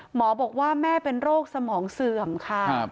หมอบอกว่าแม่เป็นโรคสมองเสื่อมค่ะ